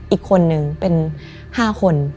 อีกคนนึงเป็น๕คน